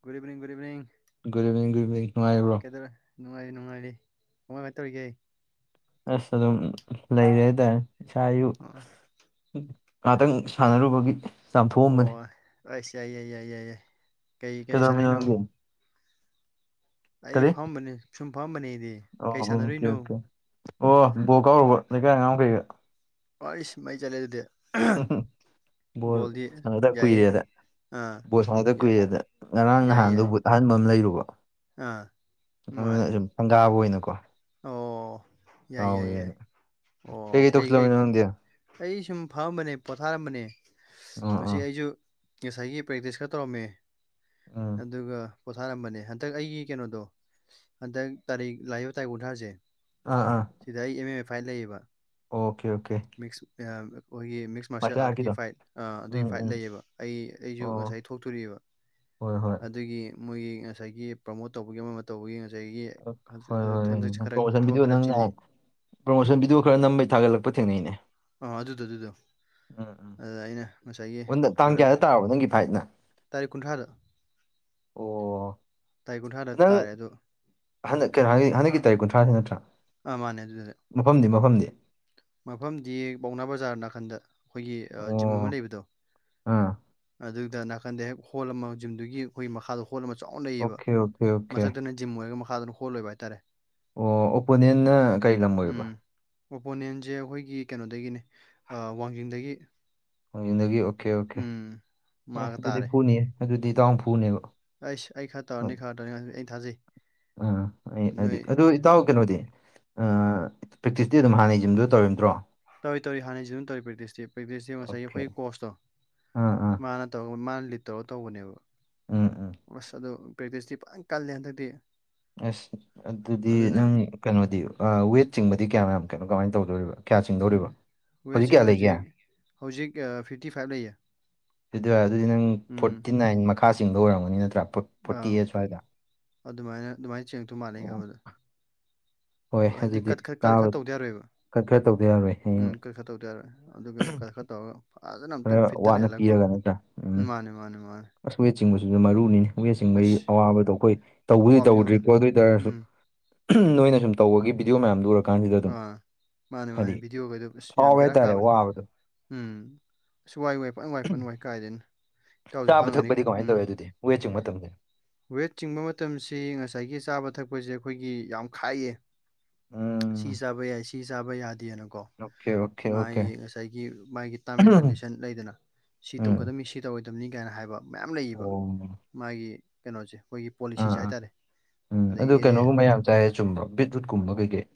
Good evening good evening ꯨꯕꯤꯅꯤ ꯒꯨꯕꯤꯅꯤꯅꯨꯡꯉ꯭ꯔꯣ ꯀꯩꯗꯧꯔꯦ ꯅꯨꯡꯉꯥꯏꯔꯤ ꯅꯨꯡꯉꯥꯏꯔꯤ ꯀꯃꯥꯏ ꯀꯃꯥꯏꯅ ꯇꯧꯔꯤꯒꯦ ꯑꯩ ꯑꯁ ꯑꯗꯨꯝ ꯂꯩꯔꯦ ꯍꯥꯏꯇꯥꯔꯦ ꯏꯁꯥꯌꯨ ꯑꯣ ꯉꯍꯥꯛꯇꯪ ꯁꯥꯟꯅꯔꯨꯕꯒꯤ ꯆꯥꯝꯊꯣꯛꯑꯝꯕꯅꯤ ꯑ ꯑꯁ ꯌꯥꯏ ꯌꯥꯏ ꯌꯥꯏ ꯌꯥꯏ ꯌꯥꯏ ꯀꯩ ꯀꯩ ꯀꯩꯗꯧꯔꯝꯃꯤꯅꯣ ꯁꯥꯔꯛꯏꯅꯣ ꯅꯪꯗꯤ ꯑꯩꯗꯤ ꯀꯔꯤ ꯐꯝꯕꯅꯤ ꯁꯨꯝ ꯐꯝꯕꯅꯦ ꯑꯩꯗꯤ ꯑꯣ ꯀꯩ ꯑꯣꯀꯦ ꯁꯥꯟꯅꯔꯨꯏꯅꯣ ꯑꯣꯀꯦ ꯑꯣ ꯕꯣ ꯀꯥꯎꯔꯨꯕ ꯂꯩꯀꯥꯏ ꯑꯉꯥꯡ ꯀꯩꯒ ꯄ ꯏꯁ ꯃꯩ ꯆꯠꯂꯦ ꯑꯗꯨꯗꯤ ꯍꯨꯝ ꯍ ꯕꯣꯜ ꯕꯣꯜꯗꯤ ꯁꯥꯟꯅꯗ ꯌꯥꯏꯌꯦ ꯀꯨꯏꯔꯦꯗ ꯑꯥ ꯕꯣꯜ ꯁꯥꯟꯅꯗ ꯌꯥꯏ ꯀꯨꯏꯔꯦꯗ ꯉꯔꯥꯡ ꯌꯥꯏ ꯅꯍꯥꯟꯗꯨ ꯌꯥꯏ ꯑꯍꯟꯕ ꯑꯃ ꯂꯩꯔꯨꯕ ꯑꯥ ꯅꯨꯡꯉꯥꯏ ꯑꯗꯨꯅ ꯁꯨꯝ ꯁꯪꯒꯥꯕ ꯑꯣꯏꯅꯀꯣ ꯑꯣ ꯌꯥꯏ ꯌꯥꯏ ꯌꯥꯏ ꯀꯥꯎꯒ꯭ꯔꯦꯅ ꯑꯣ ꯀꯩꯀꯩ ꯇꯧꯁꯤꯜꯂꯝꯃꯤꯅꯣ ꯅꯪꯗꯤ ꯑ ꯑꯩ ꯁꯨꯝ ꯐꯝꯃꯝꯕꯅꯦ ꯄꯣꯊꯥꯔꯝꯕꯅꯦ ꯑ ꯃꯁꯤ ꯑꯩꯁꯨ ꯉꯁꯥꯏꯒꯤ ꯄ꯭ꯔꯦꯛꯇꯤꯁ ꯈꯔ ꯇꯧꯔꯝꯃꯦ ꯑ ꯑꯗꯨꯒ ꯄꯣꯊꯥꯔꯝꯕꯅꯦ ꯍꯟꯗꯛ ꯑꯩꯒꯤ ꯀꯩꯅꯣꯗꯣ ꯍꯟꯗꯛ ꯇꯥꯔꯤꯛ ꯂꯥꯏꯌ ꯇꯔꯤꯛ ꯀꯨꯟ ꯊꯔꯥ ꯁꯦ ꯑꯥ ꯑꯥ ꯁꯤꯗ ꯑꯩ ꯑꯦꯝ ꯑꯦꯝ ꯑꯦ ꯐꯥꯏꯜ ꯂꯩꯌꯦꯕ ꯑꯣꯀꯦ ꯑꯣꯀꯦ ꯃꯤꯁ ꯑꯣꯏ ꯃꯤꯁ ꯃꯥꯔꯁꯦꯜ ꯃꯥꯔꯁꯌꯦꯦꯜ ꯑꯥꯔꯠꯀꯤ ꯑꯥꯔꯠꯀꯤꯗꯣ ꯐꯥꯏꯠ ꯑꯗꯨꯒꯤ ꯎꯝ ꯐꯥꯏꯠ ꯎꯝ ꯂꯩꯌꯦꯕ ꯑꯩ ꯑꯩꯁꯨ ꯑꯣ ꯉꯁꯥꯏ ꯊꯣꯛꯇꯣꯑꯕ ꯍꯣꯏ ꯍꯣꯏ ꯑꯗꯨꯒꯤ ꯃꯣꯏꯒꯤ ꯉꯁꯥꯏꯒꯤ ꯄ꯭ꯔꯃꯣꯠ ꯇꯧꯕꯒꯤ ꯑꯃ ꯑꯃ ꯇꯧꯕꯒꯤ ꯉꯁꯥꯏꯒꯤ ꯍꯣꯏ ꯍꯣꯏ ꯍꯣꯏ ꯍꯟꯗꯛꯁꯦ ꯈꯔ ꯄ꯭ꯔꯣꯃꯣꯁꯟ ꯊꯕꯛ ꯚꯤꯗꯤꯑꯣ ꯈꯔ ꯅꯪ ꯅꯍꯥꯟ ꯆꯤꯜꯂꯤ ꯄ꯭ꯔꯣꯃꯣꯁꯟ ꯚꯤꯗꯤꯌꯣ ꯈꯔ ꯅꯝꯕꯩ ꯊꯥꯒꯠꯂꯛꯄ ꯊꯦꯡꯅꯩꯅꯦ ꯑ ꯑꯗꯨꯗꯣ ꯑꯗꯨꯗꯣ ꯎꯝ ꯎꯝ ꯑꯗꯨꯗ ꯑꯩꯅ ꯉꯁꯥꯏꯒꯤ ꯎꯟꯗ ꯇꯥꯡ ꯕ꯭ꯔꯗꯔ ꯀꯌꯥꯗ ꯇꯥꯔꯕ ꯅꯪꯒꯤ ꯐꯥꯏꯠꯅ ꯇꯥꯔꯤꯛ ꯀꯨꯟꯊ꯭ꯔꯗ ꯑꯣ ꯇꯥꯥꯏ ꯀꯨꯟꯊ꯭ꯔꯥꯗ ꯇꯔꯦ ꯑꯗꯨ ꯍ ꯍꯅ ꯍꯟꯗꯀꯤ ꯇꯥꯔꯤꯛ ꯀꯨꯟꯊ꯭ꯔꯥ ꯅꯠꯇ꯭ꯔꯥ ꯑ ꯃꯥꯅꯦ ꯑꯗꯨꯗ ꯃꯐꯝꯗꯤ ꯃꯐꯝꯗꯤ ꯃꯐꯝꯗꯤ ꯄꯥꯎꯅꯥ ꯕꯖꯥꯔ ꯅꯥꯀꯟꯗ ꯑꯩꯈꯣꯏꯒꯤ ꯑꯣ ꯖꯤꯝ ꯑꯃ ꯂꯩꯕꯗꯣ ꯑꯥ ꯑꯗꯨꯗ ꯅꯥꯀꯟꯗ ꯍꯦꯛ ꯍꯣꯜ ꯑꯃ ꯖꯤꯝꯗꯨꯒꯤ ꯑꯩꯈꯣꯏ ꯃꯈꯥꯗꯣ ꯍꯣꯜ ꯑꯃ ꯆꯥꯎꯅ ꯂꯩꯌꯦꯕ ꯑꯣꯀꯦ ꯑꯣꯀꯦ ꯑꯣꯀꯦ ꯃꯊꯛꯇꯅ ꯖꯤꯝ ꯑꯣꯏꯔꯒ ꯃꯈꯥꯗꯅ ꯍꯣꯜ ꯑꯣꯏꯕ ꯍꯥꯏꯇꯥꯔꯦ ꯑꯣ ꯑꯣꯄꯣꯅꯦꯟꯅ ꯀꯔꯤ ꯂꯝ ꯑꯣꯏꯕ ꯑꯣꯄꯣꯅꯦꯟꯖꯦ ꯑꯩꯈꯣꯏꯒꯤ ꯀꯩꯅꯣꯗꯒꯤꯅꯦ ꯑ ꯋꯥꯡꯖꯤꯡꯗꯒꯤ ꯋꯥꯡꯖꯤꯡꯗꯒꯤ ꯑꯣꯀꯦ ꯑꯣꯀꯦ ꯎꯝ ꯑꯦ ꯃꯥꯒ ꯑꯗꯨꯗꯤ ꯇꯥꯔꯦ ꯐꯨꯅꯤꯌꯦ ꯑꯗꯨꯗꯤ ꯏꯇꯥꯎꯅ ꯐꯨꯅꯦꯕ ꯑꯩꯁ ꯑꯩ ꯈꯔ ꯇꯧꯔꯅꯤ ꯈꯔ ꯇꯧꯔꯅꯤ ꯑꯩ ꯊꯥꯖꯩ ꯎꯝ ꯑꯩ ꯑꯗꯤ ꯅꯣꯏ ꯑꯗꯨ ꯏꯇꯥꯎ ꯀꯩꯅꯣꯗꯤ ꯑ ꯄ꯭ꯔꯦꯛꯇꯤꯁꯇꯤ ꯑꯗꯨꯝ ꯍꯥꯟꯅꯩ ꯖꯤꯝꯗꯨꯗ ꯇꯧꯔꯤꯝꯇꯔꯣ ꯇꯧꯔꯤ ꯇꯧꯔꯤ ꯍꯟꯅꯩ ꯖꯤꯝꯗ ꯇꯧꯔꯤ ꯄ꯭ꯔꯦꯛꯇꯤꯁꯇꯤ ꯄ꯭ꯔꯦꯛꯇꯤꯁꯇꯤ ꯉꯁꯥꯏꯒꯤ ꯑꯣꯀꯦ ꯑꯈꯣꯏꯒꯤ ꯀꯣꯁꯇꯣ ꯑꯥ ꯑꯥ ꯃꯥꯅ ꯇꯧ ꯃꯥꯅ ꯂꯤꯠ ꯇꯧꯔꯒ ꯇꯧꯕꯅꯦꯕ ꯎꯝ ꯎꯝ ꯑꯁ ꯑꯗꯨ ꯄ꯭ꯔꯦꯛꯇꯤꯁꯇꯤ ꯐꯖꯅ ꯀꯜꯂꯦ ꯍꯟꯗꯛꯇꯤ ꯑꯁ ꯑꯗꯨꯗꯤ ꯑꯗꯨꯅ ꯅꯪ ꯀꯩꯅꯣꯗꯤ ꯑ ꯋꯦꯠ ꯆꯤꯡꯕꯗꯤ ꯀꯌꯥꯝ ꯌꯥꯝ ꯀꯩꯅꯣ ꯀꯃꯥꯏꯅ ꯇꯧꯗꯣꯔꯤꯕ ꯀꯌꯥ ꯆꯤꯡꯗꯧꯔꯤꯕ ꯍꯧꯖꯤꯛ ꯍꯧꯖꯤꯛ ꯀꯌꯥ ꯂꯩꯒꯦ ꯍꯧꯖꯤꯛ ꯑ ꯐꯤꯞꯇꯤꯐꯥꯏꯚ ꯂꯩꯌꯦ ꯑꯗꯣ ꯑꯗꯨꯗꯤ ꯅꯪ ꯎꯝ ꯐꯣꯔꯇꯤꯅꯥꯏꯟ ꯃꯈꯥ ꯆꯤꯡꯗꯧ ꯑꯣꯏꯔꯝꯒꯅꯤ ꯅꯠꯇ꯭ꯔꯥ ꯐꯣꯔ ꯑꯥ ꯑꯗꯨꯃꯥꯏꯅ ꯑꯗꯨꯃꯥꯏꯅ ꯆꯥꯡꯉꯛꯇꯧ ꯃꯥꯥꯜꯂꯩ ꯑꯩꯅ ꯑꯣ ꯈꯟꯕꯗ ꯍꯣꯏ ꯑ ꯍꯥꯏꯗꯤ ꯑꯗꯨꯗꯤ ꯀꯠ ꯈꯠ ꯈꯠ ꯆꯥꯕ ꯈꯔ ꯇꯧꯗ ꯌꯥꯔꯣꯏꯕ ꯈꯔ ꯈꯔ ꯇꯧꯗ ꯌꯥꯔꯣꯏ ꯎꯝ ꯍꯌꯦꯡ ꯀꯠ ꯈꯔ ꯇꯧꯗ ꯌꯥꯔꯣꯏ ꯑꯗꯨꯒ ꯀꯜ ꯈꯠ ꯇꯧꯔꯒ ꯐꯖꯅ ꯈꯔ ꯑꯝꯇꯪ ꯐꯤꯠꯇ ꯋꯥꯠꯅ ꯂꯩꯍꯜꯂꯀꯣ ꯄꯤꯔꯒ ꯅꯠꯇ꯭ꯔꯥ ꯎꯝ ꯃꯥꯅꯦ ꯃꯥꯅꯦ ꯃꯥꯅꯦ ꯑꯁ ꯋꯦꯠ ꯆꯤꯡꯕꯁꯤꯁꯨ ꯃꯔꯨꯅꯤꯅꯦ ꯋꯠ ꯆꯤꯡꯕꯒꯤ ꯑꯁ ꯑꯋꯥꯕꯗꯣ ꯑꯩꯈꯣꯏ ꯇꯧꯕꯨꯗꯤ ꯑꯋꯥꯕꯅꯦ ꯑꯋꯥꯕꯅꯦ ꯇꯧꯗ꯭ꯔꯤꯀꯣ ꯑꯗꯨ ꯑꯣꯏ ꯇꯔꯖꯨ ꯎꯝ ꯎꯝ ꯅꯣꯏꯅ ꯁꯨꯝ ꯇꯧꯕꯒꯤ ꯚꯤꯗꯤꯑꯣ ꯃꯌꯥꯝꯗꯨꯎꯔꯛ ꯀꯥꯟꯁꯤꯗ ꯑꯗꯨꯝ ꯑꯥ ꯃꯥꯅꯦ ꯃꯥꯅꯦ ꯍꯥꯏꯗꯤ ꯚꯤꯗꯤꯑꯣꯒꯩꯗꯣ ꯑꯁ ꯌꯥꯝ ꯍꯥꯎꯋꯦ ꯕꯦꯔꯥ ꯍꯥꯏꯇꯥꯔꯦ ꯀꯥꯕꯅꯦ ꯋꯥꯕꯗꯣ ꯎꯝ ꯑꯁ ꯋꯥꯏ ꯋꯥꯏ ꯐꯅꯋꯥꯏ ꯐꯅꯋꯥꯏ ꯀꯥꯏꯗꯩꯅꯣ ꯏꯇꯥꯎꯖꯨ ꯆꯥꯕ ꯈꯪꯉꯝꯒꯅꯤ ꯊꯛꯄꯗꯤ ꯀꯃꯥꯏꯅ ꯎꯝ ꯇꯧꯋꯦ ꯑꯗꯨꯗꯤ ꯋꯦꯠ ꯆꯤꯡꯕ ꯃꯇꯝꯗ ꯋꯦꯠ ꯆꯤꯡꯕ ꯃꯇꯝꯁꯤ ꯉꯁꯥꯏꯒꯤ ꯆꯥꯕ ꯊꯛꯄꯁꯦ ꯑꯩꯈꯣꯏꯒꯤ ꯌꯥꯝ ꯈꯥꯏꯌꯦ ꯎꯝ ꯁꯤ ꯆꯥꯕ ꯌꯥꯏ ꯁꯤ ꯆꯥꯕ ꯌꯥꯗꯦꯅꯀꯣ ꯑꯣꯀꯦ ꯑꯣꯀꯦ ꯑꯣꯀꯦ ꯃꯥꯒꯤ ꯉꯁꯥꯏꯒꯤ ꯃꯥꯒꯤ ꯇꯥꯔꯝ ꯑꯦꯟ ꯀꯟꯗꯤꯁꯟ ꯂꯩꯗꯅ ꯁꯤ ꯎꯝ ꯇꯧꯒꯗꯝꯅꯤ ꯁꯤꯠ ꯇꯧꯔꯣꯏꯗꯕꯅꯤ ꯀꯥꯏꯅ ꯍꯥꯏꯕ ꯃꯌꯥꯝ ꯂꯩꯌꯦꯕ ꯑꯣ ꯃꯥꯒꯤ ꯀꯩꯅꯣꯖꯦ ꯑꯩꯈꯣꯏꯒꯤ ꯑꯥ ꯄꯣꯂꯤꯁꯤꯖꯦ ꯍꯥꯏꯇꯥꯔꯦ ꯑꯗꯒꯤꯗꯤ ꯑꯗꯥꯏ ꯆꯨꯝꯕꯔ ꯕꯤꯠꯔꯨꯠꯀꯨꯝꯕ ꯀꯩꯀꯩ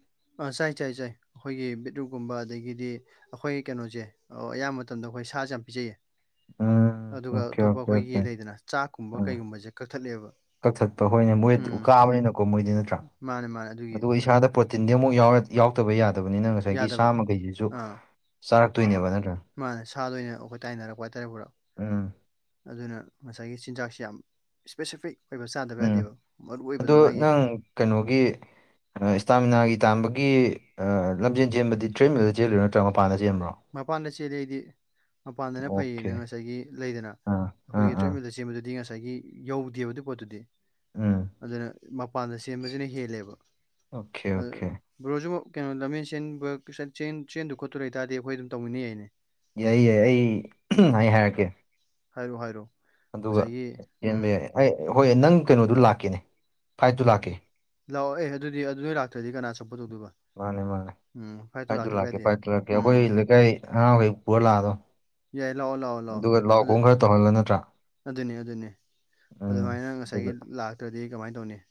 ꯑ ꯆꯥꯏ ꯆꯥꯏ ꯆꯥꯏ ꯑꯈꯣꯏꯒꯤ ꯕꯤꯠꯔꯨꯝꯒꯨꯝꯕ ꯑꯗꯒꯤꯗꯤ ꯑꯈꯣꯏ ꯀꯩꯅꯣꯖꯦ ꯑꯣ ꯑꯌꯥꯝ ꯃꯇꯝꯗ ꯑꯈꯣꯏ ꯁꯥꯖꯦ ꯌꯥꯝ ꯄꯤꯖꯩꯌꯦ ꯎꯝ ꯑꯗꯨꯒ ꯑꯣꯀꯦ ꯑꯇꯣꯞꯄ ꯑꯣꯀꯦ ꯑꯩꯈꯣꯏꯒꯤ ꯑꯣꯀꯦ ꯂꯩꯗꯅ ꯆꯥꯛꯀꯨꯝꯕ ꯎꯝ ꯀꯩꯒꯨꯝꯕꯖꯦ ꯀꯛꯊꯠꯂꯦꯕ ꯀꯛꯊꯠꯄ ꯍꯣꯏꯅꯦ ꯃꯣꯏꯗꯤ ꯎ ꯎꯝ ꯀꯥꯕꯅꯤꯅꯀꯣ ꯃꯣꯏꯗꯤ ꯅꯠꯇ꯭ꯔꯥ ꯃꯥꯅꯦ ꯃꯥꯅꯦ ꯑꯗꯨꯒꯤ ꯑꯗꯨꯒ ꯏꯁꯥꯗ ꯄ꯭ꯔꯣꯇꯤꯟꯗꯤ ꯑꯃꯨꯛ ꯌꯥꯎꯔ ꯌꯥꯎꯗꯕ ꯌꯥꯗꯕꯅꯤꯅ ꯉꯁꯥꯏꯒꯤ ꯁꯥꯃꯒꯩꯖꯤꯖꯨ ꯃꯥꯅ ꯁꯥ ꯂꯣꯏꯅ ꯑꯩꯈꯣꯏ ꯇꯥꯏꯅꯔꯛꯄ ꯍꯥꯏꯇꯥꯔꯦ ꯄꯨꯔꯥ ꯎꯝ ꯑꯗꯨꯅ ꯉꯁꯥꯏꯒꯤ ꯆꯤꯟꯖꯥꯛꯁꯤ ꯌꯥꯝ ꯏꯁꯄꯦꯁꯤꯐꯤꯛ ꯑꯣꯏꯕ ꯆꯥꯗꯕ ꯎꯝ ꯌꯥꯗꯦꯕ ꯃꯔꯨ ꯑꯗꯣ ꯑꯣꯏꯕꯗꯣ ꯃꯥꯒꯤ ꯅꯪ ꯀꯩꯅꯣꯒꯤ ꯏꯁꯇꯥꯃꯤꯅꯥꯒꯤ ꯇꯥꯟꯕꯒꯤ ꯂꯝꯖꯦꯟ ꯆꯦꯟꯕꯗꯤ ꯇ꯭ꯔꯦꯟꯃꯛꯇ ꯆꯦꯜꯂꯨꯔꯣ ꯅꯠꯇ꯭ꯔꯒ ꯃꯄꯥꯟꯗ ꯆꯦꯟꯕ꯭ꯔꯣ ꯃꯄꯥꯟꯗ ꯆꯦꯜꯂꯤꯦ ꯑꯩꯗꯤ ꯃꯄꯥꯟꯗꯅ ꯐꯩꯌꯦꯅ ꯑꯣꯀꯦ ꯉꯁꯥꯏꯒꯤ ꯂꯩꯗꯅ ꯑꯥ ꯑꯥ ꯑꯩꯈꯣꯏꯒꯤ ꯑꯥ ꯇ꯭ꯔꯦꯠꯃꯜꯗ ꯆꯦꯟꯕꯗꯨꯗꯤ ꯉꯁꯥꯏ ꯉꯁꯥꯏꯒꯤ ꯌꯧꯗꯦꯕ ꯑꯗꯨ ꯄꯣꯠꯇꯨꯗꯤ ꯎꯝ ꯑꯗꯨꯅ ꯃꯄꯥꯟꯗ ꯁꯦꯝꯕꯁꯤꯅ ꯍꯦꯜꯂꯦꯕ ꯑꯣꯀꯦ ꯑꯣꯀꯦ ꯕ꯭ꯔꯣꯁꯨ ꯀꯩꯅꯣ ꯂꯝꯃꯦꯟ ꯆꯦꯟ ꯆꯦꯟꯗꯨ ꯈꯣꯠꯇꯨ ꯂꯩꯇꯥꯗꯦꯕ ꯑꯩꯈꯣꯏ ꯑꯗꯨꯝ ꯇꯧꯃꯤꯟꯅ ꯌꯥꯏꯅꯦ ꯌꯥꯏ ꯌꯥꯏ ꯑꯩ ꯑꯩ ꯍꯥꯏꯔꯛꯀꯦ ꯍꯥꯏꯔꯣ ꯍꯥꯏꯔꯣ ꯑꯗꯨꯒ ꯉꯁꯥꯏꯒꯤ ꯎꯝ ꯆꯦꯟꯕ ꯌꯥꯏ ꯑꯩ ꯍꯣꯏ ꯅꯪ ꯀꯩꯅꯣꯗꯨ ꯂꯥꯛꯀꯦꯅꯦ ꯐꯥꯏꯠꯇꯨ ꯂꯥꯛꯀꯦ ꯂꯥꯛꯑꯣ ꯑꯦ ꯑꯗꯨꯗꯤ ꯑꯗꯨꯗ ꯂꯥꯛꯇ꯭ꯔꯗꯤ ꯀꯅꯥ ꯁꯞꯄꯣꯔꯠ ꯇꯧꯗꯣꯏꯕ ꯃꯥꯅꯦ ꯃꯥꯅꯦ ꯎꯝ ꯐꯥꯏꯠꯇꯣ ꯐꯥꯏꯠꯇꯨ ꯂꯥꯛꯇꯕ ꯂꯛꯀꯦ ꯌꯥꯗꯦ ꯐꯥꯏꯠꯇꯨ ꯂꯛꯀꯦ ꯑꯈꯣꯏ ꯎꯝ ꯂꯩꯀꯥꯏ ꯑꯉꯥꯡꯃꯈꯩ ꯄꯨꯔ ꯂꯥꯛꯑꯗꯧꯅꯤ ꯌꯥꯏ ꯂꯥꯑꯣ ꯂꯥꯑꯣ ꯑꯗꯨꯒ ꯂꯥꯛ ꯑꯍ ꯈꯔ ꯇꯧꯍꯜꯂꯣ ꯅꯠꯇ꯭ꯔꯥ ꯑꯗꯨꯅꯤ ꯑꯗꯨꯅꯤ ꯎꯝ ꯑꯗꯨꯃꯥꯏꯅ ꯉꯁꯥꯏꯒꯤ ꯂꯥꯛꯇ꯭ꯔꯗꯤ ꯀꯃꯥꯏꯅ ꯇꯧꯅꯤ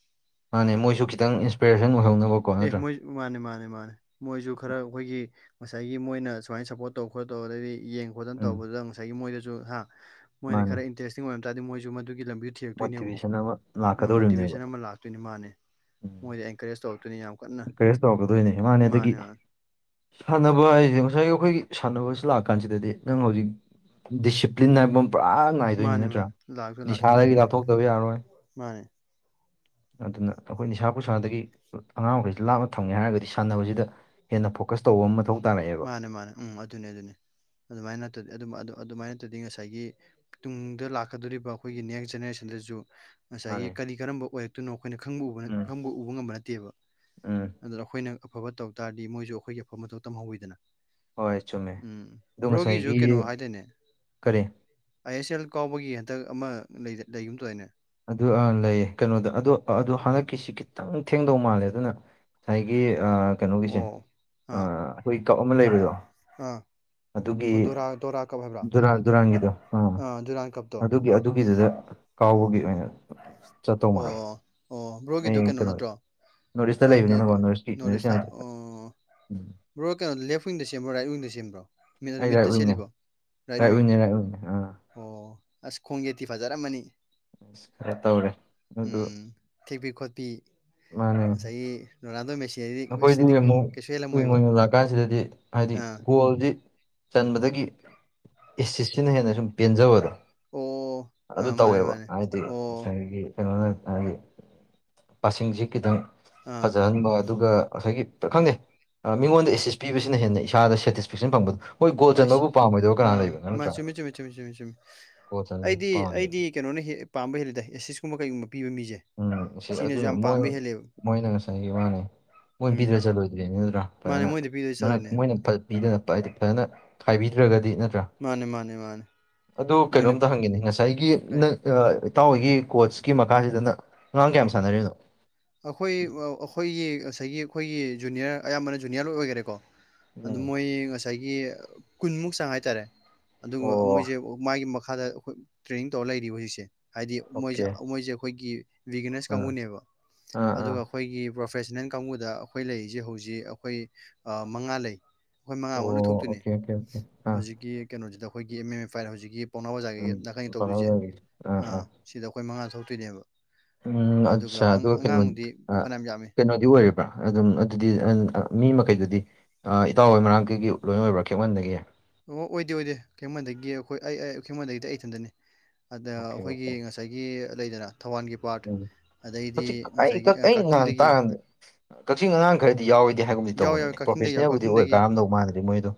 ꯃꯥꯥꯟꯅꯦ ꯃꯣꯏꯁꯨ ꯈꯤꯇꯪ ꯏꯟꯁꯄꯤꯔꯦꯁꯟ ꯑꯣꯏꯍꯧꯅꯕ ꯑꯦ ꯃꯣꯏ ꯃꯥꯅꯦ ꯃꯥꯅꯦ ꯃꯥꯅꯦ ꯃꯣꯏꯁꯨ ꯈꯔ ꯑꯩꯈꯣꯏꯒꯤ ꯉꯁꯥꯏꯒꯤ ꯃꯣꯏꯅ ꯁꯨꯃꯥꯏꯅ ꯁꯞꯄꯣꯔꯠ ꯇꯧ ꯈꯣ ꯇꯧ ꯑꯗꯩꯗꯤ ꯌꯦꯡ ꯈꯣꯠꯇꯅ ꯎꯝ ꯇꯧꯕꯗꯨꯗ ꯉꯁꯥꯏꯒꯤ ꯃꯣꯏꯗꯁꯨ ꯍꯥ ꯃꯣꯏꯅ ꯃꯥꯅꯦ ꯈꯔ ꯏꯟꯇꯦꯁꯇꯤꯡ ꯑꯣꯏꯝ ꯇꯥꯔꯗꯤ ꯃꯣꯏꯁꯨ ꯃꯗꯨꯒꯤꯕꯤ ꯊꯦꯛꯇꯣꯏꯅꯦꯕ ꯑꯃꯨꯛ ꯃꯣꯇꯤꯚꯦꯁꯟ ꯑꯃ ꯂꯥꯛꯀꯗꯧꯔꯤꯕꯅꯦꯕ ꯃꯣꯇꯤꯚꯦꯁꯟ ꯑꯃ ꯂꯥꯛꯇꯣꯏꯅꯤ ꯃꯥꯅꯦ ꯎꯝ ꯃꯣꯏꯗ ꯑꯦꯟꯀꯔꯦꯖ ꯇꯧꯔꯛꯇꯣꯏꯅꯤ ꯌꯥꯝ ꯀꯟꯅ ꯏꯟꯀꯔꯦꯖ ꯇꯧꯒꯗꯣꯏꯅꯦ ꯏꯃꯥꯅꯦꯗꯒꯤ ꯃꯥꯅꯦ ꯃꯥꯅꯦ ꯁꯥꯟꯅꯕ ꯍꯥꯏꯁꯦ ꯉꯁꯥꯏꯒꯤ ꯑꯩꯈꯣꯏꯒꯤ ꯁꯥꯟꯅꯕꯁꯤ ꯂꯥꯛ ꯀꯥꯟꯁꯤꯗꯗꯤ ꯅꯪ ꯍꯧꯖꯤꯛ ꯗꯤꯁꯤꯄ꯭ꯂꯤꯟ ꯍꯥꯏꯕ ꯑꯃ ꯄꯨꯔꯥ ꯗꯣꯏꯅꯤ ꯃꯥꯅꯦ ꯅꯠꯇ꯭ꯔꯥ ꯃꯥꯅꯦ ꯂꯥꯛꯇꯣꯏꯅꯤ ꯂꯥꯛꯇꯣꯏꯅꯤ ꯅꯤꯁꯥꯗꯒꯤ ꯂꯥꯛꯇꯣꯏꯅꯤ ꯂꯥꯞꯊꯣꯛꯇꯕ ꯌꯥꯔꯣꯏ ꯃꯥꯅꯦ ꯑꯗꯨꯅ ꯑꯩꯈꯣꯏ ꯅꯤꯁꯥ ꯄꯨꯁꯥꯗꯒꯤ ꯑꯉꯥꯡ ꯃꯈꯈꯩꯁꯤ ꯂꯥꯞꯅ ꯊꯝꯒꯦ ꯍꯥꯏꯔꯒꯗꯤ ꯁꯥꯟꯅꯕꯁꯤꯗ ꯍꯦꯟꯅ ꯐꯣꯀꯁ ꯇꯧꯕ ꯑꯃ ꯃꯊꯧ ꯇꯥꯔꯛꯑꯦꯕ ꯃꯥꯅꯦ ꯃꯥꯅꯦ ꯎꯝ ꯑꯗꯨꯅꯤ ꯑꯗꯨꯅꯤ ꯑꯗꯨꯃꯥꯏꯅ ꯅꯠꯇꯗꯤ ꯑꯗꯨ ꯑꯗꯨꯃꯥꯏ ꯅꯠꯇꯗꯤ ꯉꯁꯥꯏꯒꯤ ꯇꯨꯡꯗ ꯂꯥꯛꯀꯗꯧꯔꯤꯕ ꯑꯩꯈꯣꯏꯒꯤ ꯅꯦꯛꯁ ꯖꯦꯅꯦꯔꯦꯁꯟꯗꯁꯨ ꯉꯁꯥꯏꯒꯤ ꯃꯥꯅꯦ ꯀꯔꯤ ꯀꯔꯝꯕ ꯑꯣꯏꯔꯛꯇꯣꯏꯅꯣ ꯑꯩꯈꯣꯏꯅ ꯈꯪꯕ ꯎꯕ ꯎꯝ ꯈꯪꯕ ꯎꯕ ꯉꯝꯕ ꯅꯠꯇꯦꯕ ꯎꯝ ꯑꯗꯨꯅ ꯑꯩꯈꯣꯏꯅ ꯑꯐꯕ ꯇꯧ ꯇꯥꯔꯗꯤ ꯃꯣꯏꯁꯨ ꯑꯩꯈꯣꯏꯒꯤ ꯑꯐ ꯃꯊꯧ ꯇꯝꯍꯧꯋꯤꯗꯅ ꯍꯣꯏ ꯆꯨꯝꯃꯦ ꯎꯝ ꯑꯗꯣ ꯉꯁꯥꯏꯒꯤ ꯕ꯭ꯔꯣꯒꯤꯁꯨ ꯀꯩꯅꯣ ꯍꯥꯏꯗꯅꯦ ꯀꯔꯤ ꯑꯥꯏ ꯑꯦꯁ ꯑꯦꯜ ꯀꯥꯎꯕꯒꯤ ꯍꯟꯗꯛ ꯑꯃ ꯂꯩꯒꯨꯝ ꯇꯧꯅꯦ ꯑꯗꯨ ꯂꯩꯌꯦ ꯀꯩꯅꯣꯗ ꯑꯗꯣ ꯑꯗꯨꯣ ꯍꯟꯗꯛꯀꯤꯁꯤ ꯈꯤꯇꯪ ꯊꯦꯡꯗꯧ ꯃꯥꯜꯂꯦ ꯑꯗꯨꯅ ꯉꯁꯥꯏꯒꯤ ꯀꯩꯅꯣꯒꯤꯁꯦ ꯑꯣ ꯑꯥ ꯑꯩꯈꯣꯏ ꯀꯞ ꯑꯃ ꯂꯩꯕꯗꯣ ꯑꯗꯨꯒꯤ ꯗꯧꯔ ꯀꯥꯞ ꯗꯨꯔꯥꯟ ꯗꯨꯔꯥꯟꯒꯤꯗꯣ ꯑꯥ ꯀꯞꯇꯣ ꯑꯗꯨꯒꯤ ꯑꯗꯨꯒꯤꯗꯨꯗ ꯀꯥꯎꯕꯒꯤ ꯑꯣꯏꯅ ꯆꯠꯇꯧ ꯃꯥꯜꯂꯦ ꯑꯣ ꯑꯣ ꯕ꯭ꯔꯣꯒꯤꯗꯣ ꯀꯩꯅꯣ ꯅꯠꯇ꯭ꯔꯣ ꯅꯣꯔꯠ ꯏꯁꯇ ꯑꯣ ꯀꯩ ꯂꯩꯕꯅꯤꯅꯀꯣ ꯀꯩ ꯅꯣꯔꯠ ꯏꯁꯀꯤ ꯅꯣꯠ ꯅꯣꯔꯠ ꯏꯁ ꯑꯦꯢꯇ ꯌꯥꯝ ꯆꯠ- ꯑꯣ ꯎꯝ ꯕꯔꯣ ꯀꯩꯅꯣ ꯂꯦꯐ ꯋꯤꯡꯗ ꯅꯦꯟꯕꯔꯣ ꯔꯥꯏꯠ ꯋꯤꯡꯗ ꯁꯦꯝꯕ꯭ꯔꯣ ꯑꯩ ꯃꯤꯠ ꯔꯥꯏꯠ ꯋꯤꯡꯅꯦ ꯆꯦꯟꯂꯤꯕꯣ ꯔꯥꯏꯔ ꯔꯥꯏꯠ ꯋꯤꯡ ꯋꯤꯡꯅꯦ ꯔꯥꯏꯠ ꯋꯤꯡꯅꯦ ꯑꯥ ꯑꯣ ꯑꯁ ꯈꯣꯡ ꯋꯦꯟꯇꯤ ꯐꯖꯔꯝꯃꯅꯤ ꯑꯁ ꯈꯔ ꯇꯧꯔꯦ ꯑꯗꯨ ꯎꯝ ꯊꯦꯛꯄꯤ ꯈꯣꯠꯄꯤ ꯃꯥꯅꯦ ꯉꯁꯥꯏꯒꯤ ꯔꯣꯅꯥꯜꯗꯣꯦ ꯑꯩꯈꯣꯏꯗꯤ ꯃꯦꯁꯤꯗꯤ ꯑꯃꯨꯛ ꯀꯩꯁꯨ ꯀꯨꯏ ꯍꯦꯜꯂꯝꯃꯣꯏꯕ ꯀꯨꯏꯅ ꯂꯥꯛꯀꯥꯟꯁꯤꯗꯗꯤ ꯍꯥꯏꯗꯤ ꯑꯥ ꯒꯣꯜꯁꯤ ꯆꯟꯕꯗꯒꯤ ꯑꯦꯁꯤꯁꯁꯤꯅ ꯍꯦꯟꯅ ꯁꯨꯝ ꯄꯦꯟꯖꯕꯗꯣ ꯑꯣ ꯑꯗꯨ ꯑꯥ ꯃꯥꯅꯦ ꯇꯧꯋꯦꯕ ꯃꯥꯅꯦ ꯍꯥꯏꯗꯤ ꯑꯣ ꯉꯁꯥꯏꯒꯤ ꯀꯩꯅꯣꯅ ꯍꯥꯏꯗꯤ ꯄꯁꯁꯤꯡꯁꯤꯡꯁꯤ ꯈꯤꯇꯪ ꯑꯥ ꯐꯖꯍꯟꯕ ꯑꯗꯨꯒ ꯉꯁꯥꯏꯒꯤ ꯈꯪꯗꯦ ꯃꯤꯉꯣꯟꯗ ꯑꯦꯁ ꯑꯦꯁ ꯄꯤꯕꯁꯤꯅ ꯍꯦꯟꯅ ꯏꯁꯥꯗ ꯁꯦꯇꯤꯁꯐꯦꯛꯁꯟ ꯐꯪꯕꯗꯨ ꯑꯣ ꯑꯩꯁ ꯎꯝ ꯃꯥ ꯆꯨꯝꯃꯦ ꯆꯨꯝꯃꯦ ꯆꯨꯝꯃꯦ ꯆꯨꯝꯃꯦ ꯆꯨꯝꯃꯦ ꯒꯣꯜ ꯆꯟꯕꯕꯨ ꯑꯩꯗꯤ ꯄꯥꯝꯃꯣꯏꯗꯕ ꯑꯩꯗꯤ ꯀꯩꯅꯣꯅ ꯍꯦ ꯄꯥꯝꯕ ꯍꯦꯜꯂꯤꯗ ꯑꯦꯁꯤꯁꯀꯨꯝꯕ ꯀꯩꯒꯨꯝꯕ ꯄꯤꯕ ꯃꯤꯁꯦ ꯎꯝ ꯁꯤ ꯁꯤꯅꯁꯨ ꯑꯗꯨꯅ ꯌꯥꯝ ꯃꯣꯏ ꯄꯥꯝꯕ ꯍꯦꯜꯂꯦꯕ ꯃꯣꯏꯅ ꯉꯁꯥꯏꯒꯤ ꯃꯥꯅꯦ ꯃꯣꯏ ꯄꯤꯗ꯭ꯔꯥ ꯎꯝ ꯆꯠꯂꯣꯏꯗ꯭ꯔꯦꯅꯤ ꯅꯠꯇ‍꯭ꯔꯥ ꯃꯥꯅꯦ ꯐꯖꯅ ꯃꯣꯏꯗ ꯄꯤꯗꯣꯏ ꯃꯔꯛ ꯆꯠꯂꯤꯅꯦ ꯃꯣꯏꯅ ꯃꯤꯗꯅ ꯍꯥꯏꯗꯤ ꯐꯖꯅ ꯈꯥꯏꯕꯤꯗ꯭ꯔꯒꯗꯤ ꯅꯠꯇ꯭ꯔꯥ ꯃꯥꯅꯦ ꯃꯥꯅꯦ ꯃꯥꯅꯦ ꯑꯗꯨ ꯃꯣꯏꯅ ꯀꯩꯅꯣꯝꯇ ꯍꯪꯒꯦꯅꯤ ꯉꯁꯥꯏꯒꯤ ꯀꯩ ꯅꯪ ꯏꯇꯥꯎ ꯍꯣꯏꯒꯤ ꯀꯣꯆꯀꯤ ꯃꯈꯥꯁꯤꯗꯅ ꯑꯉꯥꯡ ꯀꯌꯥꯝ ꯁꯥꯟꯅꯔꯤꯅꯣ ꯑꯩꯈꯣꯏ ꯑꯩꯈꯣꯏꯒꯤ ꯉꯁꯥꯏꯒꯤ ꯑꯩꯈꯣꯏꯒꯤ ꯖꯨꯅꯤꯌꯔ ꯑꯌꯥꯝꯕꯅ ꯖꯨꯅꯤꯌꯔ ꯂꯣꯏ ꯑꯣꯏꯈꯔꯦꯀꯣ ꯑꯗꯨ ꯎꯝ ꯃꯣꯏ ꯉꯁꯥꯏꯒꯤ ꯀꯨꯟꯃꯨꯛ ꯆꯥꯡ ꯍꯥꯏꯇꯥꯔꯦ ꯑꯗꯨꯒ ꯑꯣ ꯃꯣꯏꯁꯦ ꯃꯥꯒꯤ ꯃꯈꯥꯗꯣꯏ ꯇ꯭ꯔꯦꯅꯤꯡ ꯇꯧꯔ ꯂꯩꯔꯤꯕ ꯍꯧꯖꯤꯛꯁꯦ ꯍꯥꯏꯗꯤ ꯃꯣꯏꯁꯦ ꯑꯣꯀꯦ ꯃꯣꯏꯁꯦ ꯑꯩꯈꯣꯏꯒꯤ ꯂꯤꯒꯅꯁ ꯑꯥ ꯀꯥꯡꯕꯨꯅꯦꯕ ꯑꯥ ꯑꯥ ꯑꯗꯨꯒ ꯑꯩꯈꯣꯏꯒꯤ ꯄ꯭ꯔꯣꯐꯦꯁꯟꯅꯜ ꯀꯥꯡꯕꯨꯗ ꯑꯩꯈꯣꯏ ꯂꯩꯔꯤꯁꯦ ꯍꯧꯖꯤꯛ ꯑꯩꯈꯣꯏ ꯃꯉꯥ ꯂꯩ ꯑꯩꯈꯣꯏ ꯑꯣ ꯃꯉꯥꯃꯨꯛ ꯂꯣꯏꯊꯣꯛꯇꯣꯏꯅꯦ ꯑꯣꯀꯦ ꯑꯣꯀꯦ ꯑꯣꯀꯦ ꯑꯥ ꯍꯧꯖꯤꯛꯀꯤ ꯀꯩꯅꯣꯁꯤꯗ ꯑꯩꯈꯣꯏꯒꯤ ꯑꯦꯝ ꯑꯦꯝ ꯑꯦ ꯐꯥꯏ꯭ꯠ ꯍꯧꯖꯤꯛꯀꯤ ꯄꯥꯎꯅꯥ ꯕꯖꯥꯔꯒꯤ ꯅꯥꯀꯟꯒꯤ ꯇꯧꯗꯣꯏꯁꯦ ꯑꯥ ꯁꯤꯗ ꯑꯩꯈꯣꯏ ꯃꯉꯥ ꯊꯣꯛꯇꯣꯏꯅꯦꯕ ꯎꯝ ꯑꯠꯆꯥ ꯑꯗꯨꯒ ꯀꯩꯅꯣ ꯑꯉꯥꯡꯕꯨꯗꯤ ꯐꯅꯌꯥꯝ ꯌꯥꯝꯃꯤ ꯀꯩꯅꯣꯗꯤ ꯑꯣꯏ ꯑꯗꯨꯝ ꯑꯗꯨꯗꯤ ꯃꯤ ꯃꯈꯩꯗꯨꯗꯤ ꯏꯇꯥꯎ ꯍꯣꯏ ꯃꯅꯥꯛꯇꯒꯤ ꯂꯣꯏꯅ ꯑꯣꯏꯕ꯭ꯔꯥ ꯈꯦꯛꯃꯟꯗꯒꯤ ꯑꯣ ꯑꯣꯏꯗꯦ ꯑꯣꯏꯗꯦ ꯈꯦꯡꯃꯟꯗꯒꯤ ꯑꯩꯈꯣꯏ ꯑꯩ ꯈꯦꯡꯃꯟꯗꯒꯤꯗꯤ ꯑꯩ ꯏꯊꯟꯗꯅꯤ ꯑꯗ ꯑꯣꯀꯦ ꯑꯩꯈꯣꯏꯒꯤ ꯉꯁꯥꯏ ꯉꯁꯥꯏꯒꯤ ꯂꯩꯗꯅ ꯊꯧꯕꯥꯜꯒꯤ ꯄꯥꯔꯠ ꯎ [inaudible] ꯑꯗꯩꯗꯤ ꯉꯁꯥꯏꯒꯤ ꯍꯧꯖꯤꯛ ꯑꯩ ꯅꯍꯥꯟ ꯀꯛꯆꯤꯡꯗꯒꯤ ꯇꯥꯒꯥꯟꯗ ꯀꯛꯆꯤꯡ ꯑꯉꯥꯡ ꯈꯔꯗꯤ ꯌꯥꯎꯔꯣꯏꯗꯦ ꯍꯥꯏꯕꯕꯨꯗꯤ ꯌꯥꯎꯋꯦ ꯌꯥꯎꯋꯦ ꯇꯧꯕꯅꯤꯅꯦ ꯀꯛꯆꯤꯡꯗꯒꯤ ꯄ꯭ꯔꯣꯐꯦꯁꯅꯦꯜꯕꯨꯗꯤ ꯑꯣꯏꯔ ꯀꯔꯝꯗꯧ ꯃꯥꯟꯗ꯭ꯔꯤ ꯃꯣꯏꯗꯣ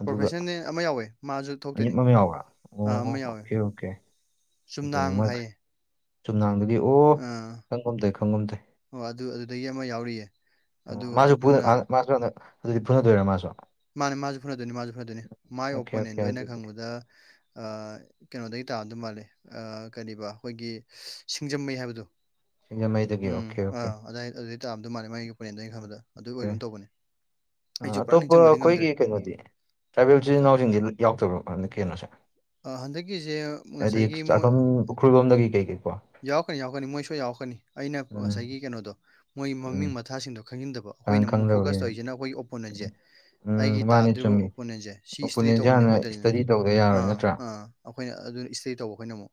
ꯑꯗꯨꯒ ꯄ꯭ꯔꯣꯐꯦꯁꯟꯅꯦ ꯑꯃ ꯌꯥꯎꯋꯦ ꯃꯥꯁꯨ ꯑꯅꯤꯞ ꯊꯣꯛꯇꯣꯏꯅꯦ ꯑꯃ ꯌꯥꯎꯕ꯭ꯔꯥ ꯑꯣ ꯑꯥ ꯑꯃ ꯌꯥꯎꯋꯦ ꯑꯣꯀꯦ ꯑꯣꯀꯦ ꯑꯗꯨꯅꯤ ꯆꯨꯝꯅꯥꯡ ꯃꯣꯏ ꯍꯥꯏꯌꯦ ꯆꯨꯝꯅꯥꯡꯗꯒꯤ ꯑꯣ ꯑꯥ ꯈꯪꯒꯨꯜꯇꯧꯏ ꯈꯪꯒꯨꯝꯇꯧꯏ ꯑꯣ ꯑꯗꯨ ꯑꯗꯨꯗꯒꯤ ꯑꯃ ꯌꯥꯎꯔꯤꯌꯦ ꯑꯣ ꯑꯗꯨ ꯃꯥꯁꯨ ꯑꯗꯨꯅ ꯃꯥꯁꯨ ꯍꯟꯗꯛ ꯑꯗꯨꯗꯤ ꯐꯨꯅꯗꯣꯏꯔ‌ꯣ ꯃꯥꯁ‌ꯨ ꯃꯥꯅꯦ ꯃꯥꯁꯨ ꯐꯨꯅꯗꯣꯏꯅꯤ ꯃꯥꯁꯨ ꯐꯨꯅꯗꯣꯏꯅꯤ ꯃꯥꯏ ꯑꯣꯀꯦ ꯑꯣꯀꯦ ꯑꯣꯄꯣꯅꯦꯟꯗꯣ ꯑꯩꯅ ꯑꯗꯨꯗꯤ ꯈꯪꯕꯗ ꯑꯥ ꯀꯩꯅꯣꯗꯒꯤ ꯇꯥꯝꯗꯧ ꯃꯥꯜꯂꯦ ꯀꯕ ꯑꯩꯈꯣꯏꯒꯤ ꯁꯤꯡꯖꯃꯩ ꯍꯥꯏꯕꯗꯣ ꯁꯤꯡꯖꯃꯩꯗꯒꯤ ꯎꯝ ꯑꯣꯀꯦ ꯑ ꯑꯣꯀꯦ ꯑꯗꯥꯏ ꯑꯗꯩ ꯆꯥꯝꯗ ꯃꯥꯜꯂꯦ ꯃꯥꯒꯤ ꯄꯨꯔꯦꯟꯗ ꯑꯩꯅ ꯈꯟꯕꯗ ꯑꯗꯨꯒꯤ ꯑꯣꯏ ꯑꯣꯀꯦ ꯑꯗꯨꯝ ꯇꯧꯕꯅꯦ ꯑꯩꯁꯨ ꯄꯨꯔꯥ ꯑꯇꯣꯞꯄ ꯅꯤꯡꯁꯤꯡꯕꯗꯤ ꯉꯝꯗ꯭ꯔꯦ ꯑꯩꯈꯣꯏꯒꯤ ꯀꯩꯅꯣꯗꯤ ꯇ꯭ꯔꯥꯏꯕꯦꯜ ꯏꯆꯤꯜ ꯀ- ꯏꯅꯥꯎꯁꯤꯡꯁꯤ ꯌꯥꯎꯗꯕ ꯀꯩꯅꯣꯁꯦ ꯍꯟꯗꯛꯀꯤꯁꯦ ꯉꯁꯥꯏꯒꯤ ꯃꯣꯏ ꯀꯩ ꯀꯩꯒ‌‌ꯦꯀꯣ [inaudible] ꯌꯥꯎꯔꯛꯀꯅꯤ ꯌꯥꯎꯔꯛꯀꯅꯤ ꯃꯣꯏꯁꯨ ꯌꯥꯎꯔꯛꯀꯅꯤ ꯑꯩꯅ ꯎꯝ ꯉꯁꯥꯏꯒꯤ ꯀꯩꯅꯣꯗꯣ ꯃꯣꯏ ꯎꯝ ꯃꯃꯤꯡ ꯃꯊꯥꯁꯤꯡꯗꯣ ꯈꯪꯖꯤꯟꯗꯕ ꯈꯪ ꯑꯩꯈꯣꯏꯅ ꯑꯃꯨꯛ ꯐꯣꯀꯁ ꯈꯪꯗꯕꯒꯤꯅꯦ ꯇꯧꯔꯤꯁꯤꯅ ꯑꯩꯈꯣꯏꯒꯤ ꯑꯣꯄꯣꯅꯦꯟꯁꯦ ꯑꯩꯒꯤ ꯎꯝ ꯃꯥꯅꯤ ꯇꯥꯗ꯭ꯔꯤꯕ ꯆꯨꯝꯃꯤ ꯑꯣꯄꯣꯅꯦꯟꯁꯦ ꯁꯤ ꯏꯁꯇꯗꯤ ꯑꯣꯄꯣꯅꯦꯟꯁꯦ ꯇꯧꯕꯅꯦ ꯍꯥꯟꯅ ꯑꯩꯈꯣꯏꯗꯅ ꯏꯁꯇꯗꯤ ꯇꯧꯗ ꯌꯥꯔꯣꯏ ꯑꯥ ꯅꯠꯇ꯭ꯔꯥ ꯑꯥ ꯑꯩꯈꯣꯏꯅ ꯑꯗꯨꯅ ꯏꯁꯇꯗꯤ ꯇꯧꯕ ꯑꯩꯈꯣꯏꯅ ꯑꯃꯨꯛ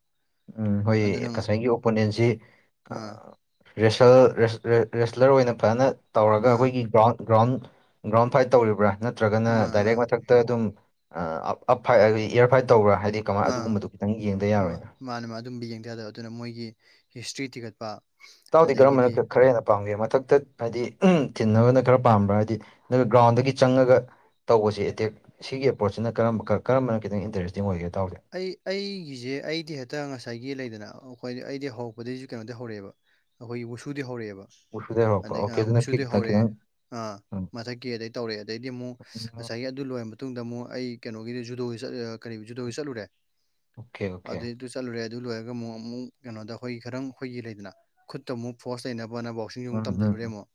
ꯎꯝ ꯍꯣꯏ ꯑꯗꯨꯅ ꯉꯥꯏ ꯉꯁꯥꯏꯒꯤ ꯑꯣꯄꯣꯅꯦꯟꯁꯤ ꯑꯥ ꯔꯦꯁꯂꯔ ꯑꯣꯏꯅ ꯐꯖꯅ ꯇꯧꯔꯒ ꯑꯥ ꯑꯩꯈꯣꯏꯒꯤ ꯒ꯭ꯔꯥꯎꯟ ꯒ꯭ꯔꯥꯎꯟ ꯒ꯭ꯔꯥꯎꯟ ꯐꯥꯏꯠ ꯇꯧꯔꯤꯕ꯭ꯔꯥ ꯅꯠꯇ꯭ꯔꯒꯅ ꯑꯥ ꯑꯥ ꯗꯥꯏꯔꯦꯛ ꯃꯊꯛ ꯇ ꯑꯗꯨꯝꯞ ꯑꯞ ꯐꯥꯏ ꯏꯌꯥꯔ ꯐꯥꯏꯠ ꯇꯧꯕ꯭ꯔꯥ ꯍꯥꯏꯗꯤ ꯀꯃꯥꯏꯅ ꯑꯗꯨꯒꯨꯝꯕꯗꯨꯣ ꯈꯤꯇꯪ ꯌꯦꯡꯗ ꯌꯥꯔꯣꯏꯅ ꯃꯥꯅ ꯃꯥ ꯑꯗꯨꯝꯕ ꯌꯦꯡꯊꯗꯕ ꯑꯗꯨꯅ ꯃꯣꯏꯒꯤ ꯍꯤꯁꯇ꯭ꯔꯤ ꯊꯤꯒꯠꯄ ꯇꯥꯎꯗꯤ ꯑꯗꯒꯤꯗꯤ ꯀꯔꯝꯕꯅ ꯈꯔꯍ‌ꯦꯟꯅ ꯄꯥꯝꯒꯦ ꯃꯊꯛꯇ ꯍꯥꯏꯗꯤ ꯊꯤꯟꯅꯕꯅ ꯈꯔ ꯄꯥꯝꯕ꯭ꯔꯥ ꯍꯥꯏꯗꯤ ꯅꯣꯏ ꯒ꯭ꯔꯥꯎꯟꯗꯒꯤ ꯆꯪꯉꯒ ꯇꯧꯕꯁꯤ ꯑꯦꯇꯦꯛ ꯁꯤꯒꯤ ꯑꯦꯄ꯭ꯔꯣꯆꯁꯤꯅ ꯀꯔꯝꯕ ꯀꯔꯝꯕꯅ ꯈꯤꯇꯪ ꯏꯟꯇꯔꯦꯁꯇꯤꯡ ꯑꯣꯏꯒꯦ ꯏꯇꯥꯎꯗ‌ꯦ ꯑꯩ ꯑꯩꯒꯤꯁꯦ ꯑꯩꯗꯤ ꯍꯦꯛꯇ ꯉꯁꯥꯏꯒꯤ ꯂꯩꯗꯅ ꯑꯩꯈꯣꯏ ꯑꯩꯗꯤ ꯍꯧꯔꯛꯄꯗꯒꯤꯁꯨ ꯀꯩꯅꯣꯗꯤ ꯍꯧꯔꯛꯑꯦꯕ ꯑꯩꯈꯣꯏꯒꯤ ꯋꯁꯨꯗꯤ ꯍꯧꯔꯛꯑꯦꯕ ꯑꯗꯩ ꯑ ꯋꯁꯨꯗꯤ ꯍꯧꯔꯛꯑꯦ ꯑꯥ ꯃꯊꯛꯀꯤ ꯑꯗꯩ ꯇꯧꯔꯦ ꯑꯗꯩꯗꯤ ꯑꯃꯨꯛ ꯉꯁꯥꯏꯒꯤ ꯑꯗꯨ ꯂꯣꯏꯔꯕ ꯃꯇꯨꯡꯗ ꯑꯃꯨꯛ ꯑꯩ ꯀꯩꯅꯣꯒꯤ ꯖꯨꯗꯣꯒꯤ ꯀꯔꯤ ꯖꯨꯗꯣꯒꯤ ꯆꯠꯂꯨꯔꯦ ꯑꯗꯩ ꯑꯗꯨ ꯆꯠꯂꯨꯔꯦ ꯑꯗꯨ ꯂꯣꯏꯔꯒ ꯑꯃꯨꯛ ꯑꯃꯨꯛ ꯀꯩꯅꯣꯗ ꯍꯈꯣꯏ ꯈꯔꯪ ꯍꯈꯣꯏꯒꯤ ꯂꯩꯗꯅ ꯈꯨꯠꯇ ꯑꯃꯨꯛ ꯐꯣꯔꯁ ꯂꯩꯅꯕꯅ ꯀꯛꯆ ꯌꯛ ꯇꯝꯁꯤꯜꯂꯨꯔꯦꯃꯣꯛ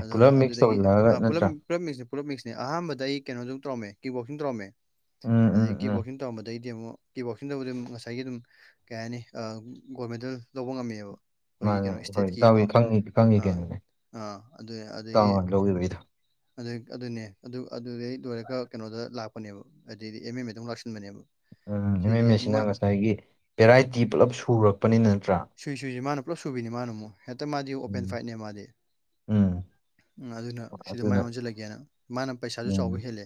ꯑꯗ ꯑꯗꯨꯗꯒꯤ ꯄꯨꯂꯞ ꯄꯨꯂꯞ ꯃꯤꯡꯁꯅꯦ ꯄꯨꯂꯞ ꯃꯤꯁꯅꯤ ꯑꯍꯥꯟꯕꯗ ꯑꯩ ꯀꯩꯅꯣ ꯑꯗꯨ ꯇꯧꯔꯝꯃꯦ ꯀꯤꯕꯣꯛꯁꯤꯡ ꯇꯧꯔꯝꯃꯦ ꯎꯝ ꯎꯝ ꯎꯝ ꯇꯧꯔꯝꯕꯗꯒꯤꯗꯤ ꯑꯃꯨꯛ ꯇꯤ ꯋꯣꯛꯁꯤꯡ ꯇꯕꯨ ꯑꯗꯨꯝ ꯉꯁꯥꯏꯒꯤ ꯑꯗꯨꯝ ꯀꯩ ꯍꯥꯏꯅꯤ ꯒꯣꯜ ꯃꯦꯗꯜ ꯂꯧꯕ ꯉꯝꯃꯤꯑꯕ ꯑꯩꯈꯣꯏꯒꯤ ꯀꯩꯅꯣ ꯏꯁꯇꯦꯠꯀꯤꯀꯣ ꯑꯥ ꯑꯥ ꯑꯗꯨ ꯑꯗꯒꯤ ꯑꯗꯨ ꯑꯗꯨꯅꯦ ꯑꯗꯨ ꯑꯗꯨꯗꯩ ꯂꯣꯏꯔꯒ ꯀꯩꯅꯣꯗ ꯂꯥꯛꯄꯅꯦꯕ ꯑꯗꯨꯗꯩꯗꯤ ꯑꯦꯝ ꯑ ꯃ ꯑꯗꯨꯝ ꯂꯥꯛꯁꯤꯟꯕꯅꯦꯕ ꯎꯝ ꯑꯦꯝ ꯁꯤꯗꯤ ꯑꯦꯝ ꯑꯦꯁꯤꯅ ꯉꯁꯥꯏꯒꯤ ꯚꯦꯔꯥꯏꯇꯤ ꯄꯨꯜꯂꯞ ꯁꯨꯔꯛꯄꯅꯤꯅ ꯅꯠꯇ꯭ꯔꯥ ꯁꯨꯏ ꯁꯨꯏꯁꯤ ꯃꯥꯅ ꯄꯨꯂꯞ ꯁꯨꯕꯤꯅꯤ ꯃꯥꯅ ꯑꯃꯨꯛ ꯍꯦꯛꯇ ꯃꯥꯗꯤ ꯑꯣꯄꯦꯟ ꯐꯥꯏꯠꯅꯦ ꯃꯥꯗꯤ ꯑꯗꯨꯅ ꯁꯤꯗ ꯃꯥꯏ ꯑꯣꯟꯁꯤꯜꯂꯒꯦꯅ ꯃꯥꯅ ꯄꯩꯁꯥꯁꯨ ꯆꯥꯎꯕ ꯍꯦꯜꯂꯦ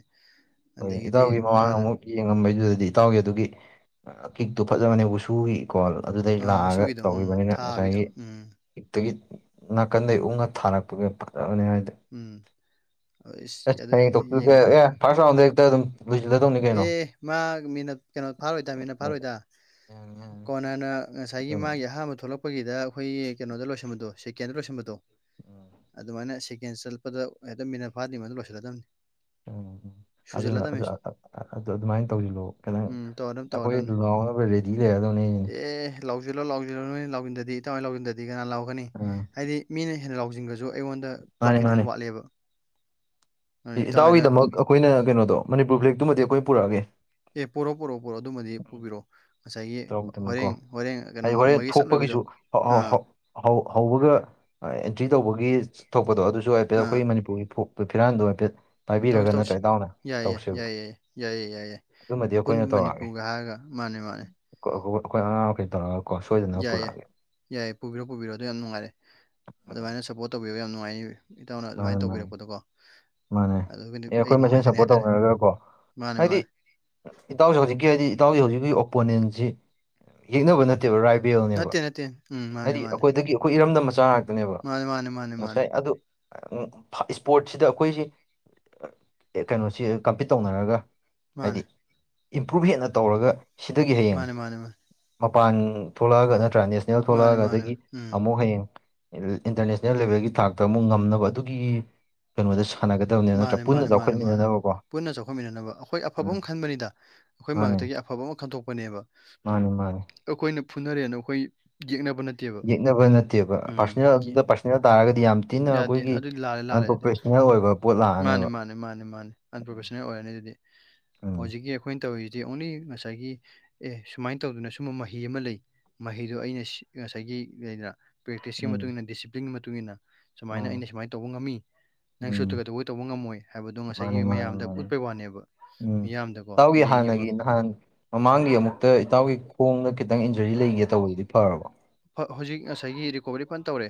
ꯍꯣꯏ ꯑꯗꯒꯤꯗꯤ ꯏꯇꯥꯎꯒꯤ ꯃꯃꯥꯡ ꯃꯥꯅ ꯑꯃꯨꯛ ꯌꯦꯡꯉꯝꯕꯩꯗꯨꯗꯗꯤ ꯏꯇꯥꯎꯒꯤ ꯑꯗꯨꯒꯤ ꯀꯤꯛꯇꯣ ꯐꯖꯕꯅꯦ ꯋꯨꯁꯨꯒꯤꯀꯣ ꯑꯗꯨꯗꯩ ꯑ ꯂꯥꯛꯑꯒ ꯋꯥꯁꯨꯒꯤꯗꯣ ꯎꯝ ꯇꯧꯈꯤꯕꯅꯤꯅ ꯊꯥꯕꯤꯗꯣ ꯉꯁꯥꯏꯒꯤ ꯎꯝ ꯍꯦꯛꯇꯒꯤ ꯅꯥꯀꯟꯗꯒꯤ ꯎꯛꯅ ꯊꯥꯔꯛꯄꯒꯤ ꯐꯠꯇꯕꯅꯤ ꯍꯥꯏꯗ ꯎꯝ ꯑꯗꯨ ꯐꯁꯗ ꯑꯦ ꯃꯥ ꯃꯤꯅꯠ ꯀꯩꯅꯣ ꯐꯥꯔꯣꯏꯗ ꯃꯤꯅꯠ ꯐꯥꯔꯣꯏꯗ ꯌꯥꯅꯤ ꯌꯥꯅꯤ ꯀꯣꯅꯥꯅ ꯉꯁꯥꯏꯒꯤ ꯑꯗꯨꯅ ꯃꯥꯒꯤ ꯑꯍꯥꯟꯕ ꯊꯣꯛꯂꯛꯄꯒꯤꯗ ꯑꯩꯈꯣꯏꯒꯤ ꯀꯩꯅꯣꯗ ꯂꯣꯏꯁꯟꯕꯗꯣ ꯁꯦꯀꯦꯟꯗ ꯂꯣꯏꯁꯟꯕꯗꯣ ꯑꯗꯨꯃꯥꯏꯅ ꯁꯦꯀꯦꯟ ꯆꯠꯄꯗ ꯍꯦꯛꯇ ꯃꯤꯅꯠ ꯐꯥꯗ꯭ꯔꯤ ꯃꯗꯨ ꯂꯣꯏꯁꯤꯜꯂꯗꯕꯅꯤ ꯎꯝ ꯎꯝ ꯑꯗꯨꯅ ꯁꯨꯖꯜꯂꯗꯕꯅꯤ ꯑꯗꯨ ꯑꯗꯨꯃꯥꯏꯅ ꯇꯧꯁꯤꯜꯂꯣꯑꯣ ꯈꯤꯇꯪ ꯎꯝ ꯇꯧꯔꯗꯝꯅꯤ ꯑꯩꯈꯣꯏ ꯇꯧꯔꯗꯝꯅꯤ ꯂꯥꯎꯅꯕ ꯔꯦꯗꯤ ꯂꯩꯒꯗꯧꯅꯦ ꯂꯥꯎꯁꯤꯜꯣ ꯂꯥꯎꯁꯤꯜꯣ ꯅꯣꯏ ꯂ ꯂꯧꯁꯤꯟꯗꯗꯤ ꯏꯃꯥꯏꯅ ꯂꯧꯁꯤꯟꯗꯗꯤ ꯑꯗꯨ ꯀꯅꯥ ꯂꯥꯎꯒꯅꯤ ꯑꯥ ꯍꯥꯏꯗꯤ ꯃꯤꯅ ꯍꯦꯟꯅ ꯂꯥꯎꯖꯤꯡꯈꯁꯨ ꯑꯩꯉꯣꯟꯗ ꯃꯥꯅꯦ ꯀꯣꯟꯐꯤꯗꯦꯟ ꯃꯥꯅꯦ ꯋꯥꯠꯂꯦꯕ ꯑꯗꯨꯅ ꯏꯇꯥꯎ ꯍꯣꯏꯅ ꯏꯇꯥꯎꯒꯤꯗꯃꯛ ꯑꯩꯈꯣꯏꯅ ꯀꯩꯅꯣꯗꯣ ꯃꯅꯤꯄꯨꯔ ꯐ꯭ꯂꯦꯛꯇꯨꯃꯗꯤ ꯑꯩꯈꯣꯏ ꯄꯨꯔꯛꯑꯒꯦ ꯑꯦ ꯄꯔꯛꯑꯣ ꯄꯨꯔꯣꯔꯛꯑꯣ ꯄꯣꯔꯛꯑꯣ ꯑꯗꯨꯃꯗꯤ ꯄꯨꯕꯤꯔꯛꯑꯣ ꯉꯁꯥꯏꯒꯤ ꯍꯣꯔꯦꯡ ꯍꯣꯔꯦꯡ ꯀꯩꯅꯣ ꯑꯩ ꯍꯣꯔꯦꯟ ꯉꯝꯕꯒꯤ ꯆꯠꯂꯣꯏꯕꯩꯗꯣ ꯊꯣꯛꯄꯒꯤꯁꯨ ꯍ ꯑꯥ ꯍ ꯍꯣꯏ ꯍꯧꯕꯒ ꯑꯦꯟꯇ꯭ꯔꯤ ꯇꯧꯕꯒꯤ ꯊꯣꯛꯄꯗꯣ ꯑꯗꯨꯁꯨ ꯍꯥꯏꯐꯦꯠ ꯑꯥ ꯑꯩꯈꯣꯏ ꯃꯅꯤꯄꯨꯔꯒꯤ ꯐ ꯐꯤꯔꯥꯥꯟꯗ ꯇꯧꯁꯤ ꯇꯧꯁꯤ ꯌꯥꯏ ꯌꯥꯏ ꯌꯥꯏ ꯌꯥꯏꯌꯦ ꯌꯥꯏꯌꯦ ꯌꯥꯏ ꯌꯥꯏ ꯑꯗꯨꯃꯗꯤ ꯑꯄꯨꯟꯕ ꯑꯩꯈꯣꯏꯅ ꯇꯧꯔꯛꯑꯒꯦ ꯃꯅꯤꯄꯨꯔꯒ ꯍꯥꯏꯔꯒ ꯃꯥꯅꯦ ꯃꯥꯅꯦ ꯑꯩꯈꯣꯏ ꯑꯉꯥꯡꯈꯩ ꯇꯧꯔꯒ ꯌꯥꯏ ꯌꯥꯏ ꯌꯥꯏ ꯄꯨꯕꯤꯔꯣ ꯄꯨꯕꯤꯔꯛꯣ ꯑꯗꯨ ꯌꯥꯝ ꯅꯨꯡꯉꯥꯏꯔꯦ ꯑꯗꯨꯃꯥꯏꯅ ꯁꯞꯄꯣꯔꯠ ꯇꯧꯕꯤꯔꯣ ꯌꯥꯝ ꯅꯨꯡꯉꯥꯏꯅꯤ ꯏꯇꯧꯅ ꯃꯥꯅꯦ ꯑꯗꯨꯃꯥꯏꯅ ꯃꯥꯅꯦ ꯇꯧꯕꯤꯔꯛꯄꯗꯣꯀꯣ ꯃꯥꯅꯦ ꯑꯗꯨꯒꯤꯗꯤ ꯑꯦ ꯑꯩ ꯑꯩꯈꯣꯏ ꯃꯁꯦꯟ ꯅꯨꯡꯉꯥꯏꯖꯅꯤ ꯁꯞꯄꯣꯔꯠ ꯍꯥꯏꯇꯥꯔꯦ ꯇꯧꯅꯔꯒꯀꯣ ꯃꯥꯅꯦ ꯍꯥꯏꯗꯤ ꯃꯥꯅꯦ ꯏꯇꯥꯎꯁꯦ ꯍꯧꯖꯤꯛꯀꯤ ꯍꯥꯏꯗꯤ ꯏꯇꯥꯎꯁꯦ ꯍꯧꯖꯤꯛꯀꯤ ꯑꯣꯄꯣꯅꯦꯟꯁꯤ ꯌꯦꯛꯅꯕ ꯅꯠꯇꯦ ꯔꯥꯏꯕꯦꯜꯅꯦꯕ ꯅꯠꯇꯦ ꯅꯠꯇꯦ ꯎꯝ ꯃꯥꯅꯦ ꯍꯥꯏꯗꯤ ꯃꯥꯅꯦ ꯑꯩꯈꯣꯏꯗꯒꯤ ꯑꯩꯈꯣꯏ ꯏꯔꯝꯗꯝ ꯃꯆꯥ ꯑꯗꯨꯅꯦꯕ ꯃꯥꯅꯦ ꯃꯥꯅꯦ ꯃꯥꯅꯦ ꯃꯥꯅꯦ ꯉꯁꯥꯏ ꯑꯗꯨ ꯏꯁꯄꯣꯔꯠꯁꯤꯗ ꯑꯩꯈꯣꯏꯁꯤ ꯀꯩꯅꯣꯁꯤ ꯀꯝꯄꯤꯠ ꯇꯧꯅꯔꯒ ꯃꯥꯅꯦ ꯍꯥꯏꯗꯤ ꯏꯝꯄ꯭ꯔꯚ ꯍꯦꯟꯅ ꯇꯧꯔꯒ ꯁꯤꯗꯒꯤ ꯍꯌꯦꯡ ꯃꯥꯅꯦ ꯃꯥꯅꯦ ꯃꯥꯅꯦ ꯃꯄꯥꯟ ꯊꯣꯛꯂꯛꯑꯒ ꯅꯠꯇ꯭ꯔꯥ ꯅꯦꯁꯅꯦꯜ ꯃꯥꯅꯦ ꯊꯣꯛꯂꯛꯑꯒ ꯃꯥꯅꯦ ꯑꯗꯒꯤ ꯎꯝ ꯑꯃꯨꯛ ꯍꯌꯦꯡ ꯏꯟꯇꯔꯅꯦꯁꯅꯦꯜ ꯂꯦꯚꯦꯜꯒꯤ ꯊꯥꯛꯇ ꯑꯃꯨꯛ ꯉꯝꯅꯕ ꯑꯗꯨꯒꯤ ꯀꯩꯅꯣꯗ ꯁꯥꯟꯅꯒꯗꯧ ꯃꯥꯅꯦ ꯃꯥꯅꯦ ꯃꯥꯅꯦ ꯃꯥꯅꯦ ꯄꯨꯟꯅ ꯆꯥꯎꯈꯠꯃꯤꯟꯅꯅꯕ ꯑꯩꯈꯣꯏ ꯑꯐꯕ ꯎꯝ ꯑꯃ ꯈꯟꯕꯅꯤꯗ ꯑꯩꯈꯣꯏ ꯃꯔꯛꯇꯒꯤ ꯑꯐꯕ ꯑꯃ ꯈꯟꯗꯣꯛꯄꯅꯦꯕ ꯃꯥꯅꯦ ꯃꯥꯅꯦ ꯑꯩꯈꯣꯏꯅ ꯐꯨꯅꯔꯦꯅ ꯑꯩꯈꯣꯏ ꯌꯦꯛꯅꯕ ꯅꯦ ꯌꯦꯛꯅꯕ ꯅꯠꯇꯦꯕ ꯄꯥꯔꯁꯣꯅꯦꯜ ꯑꯗꯨꯗ ꯄꯥꯔꯁꯣꯅꯦꯜ ꯇꯥꯔꯒꯗꯤ ꯌꯥꯝ ꯊꯤꯅ ꯌꯥꯗꯦ ꯑꯩꯈꯣꯏꯒꯤ ꯑꯗꯨꯗꯤ ꯂꯥꯜꯂꯦ ꯂꯥꯜꯂꯦ ꯑꯗꯨꯗꯤ ꯑꯟꯄ꯭ꯔꯣꯐꯦꯁꯅꯦꯜ ꯑꯣꯏꯕꯕꯥ ꯃꯥꯅꯦ ꯃꯥꯅꯦ ꯃꯥꯅꯦ ꯃꯥꯅꯤ ꯑꯟꯄ꯭ꯔꯣꯐꯦꯁꯟꯅꯜ ꯑꯣꯏꯔꯅꯤ ꯑꯗꯨꯗꯤ ꯎꯝ ꯍꯧꯖꯤꯛꯀꯤ ꯑꯩꯈꯣꯏꯅ ꯇꯧꯔꯤꯁꯤ ꯑ ꯑꯣꯅꯤ ꯉꯁꯥꯏꯒꯤ꯫ ꯑꯦ ꯁꯨꯃꯥꯏꯅ ꯇꯧꯗꯅ ꯁꯨꯝꯕ ꯃꯍꯤ ꯑꯃ ꯂꯩ ꯃꯍꯤꯗꯣ ꯑꯩꯅ ꯉꯁꯥꯏꯒꯤꯗꯅ ꯄ꯭ꯔꯦꯛꯇꯤꯁꯀꯤ ꯃꯇꯨꯡ ꯎꯝ ꯃꯇꯨꯡꯏꯟꯅ ꯗꯤꯁꯤꯄ꯭ꯂꯤꯟꯒꯤ ꯃꯇꯨꯡ ꯃꯇꯨꯡꯏꯟꯅ ꯁꯨꯃꯥꯏꯅ ꯃꯥꯅꯦ ꯑꯩꯅ ꯁꯨꯃꯥꯏꯅ ꯇꯧꯕ ꯉꯝꯃꯤ ꯅꯪ ꯎꯝ ꯁꯣꯠꯇ꯭ꯔꯒꯗ ꯇꯧꯕ ꯉꯝꯃꯣꯏ ꯍꯥꯏꯕꯗꯣ ꯃꯥꯅꯤ ꯉꯁꯥꯏꯒꯤ ꯃꯥꯅꯤ ꯃꯌꯥꯝꯗ ꯃꯥꯅꯤ ꯎꯠꯄꯩ ꯋꯥꯅꯦꯕ ꯎꯝ ꯃꯤꯌꯥꯝꯗꯀꯣ ꯏꯇꯥꯎꯒꯤ ꯌꯦꯡꯉꯤꯕ ꯍꯥꯟꯅꯒꯤ ꯅꯍꯥꯟ ꯃꯃꯥꯡꯒꯤ ꯑꯃꯨꯛꯇ ꯏꯇꯥꯎꯒꯤ ꯈꯣꯡꯗ ꯈꯤꯇꯪ ꯏꯟꯖꯔꯤ ꯂꯩꯒꯦ ꯇꯧꯕꯗꯨꯗꯤ ꯐꯔꯕ ꯍꯧꯖꯤꯛ ꯉꯁꯥꯏꯒꯤ ꯔꯤꯀꯣꯕꯔꯤ ꯐꯟ ꯇꯧꯔꯦ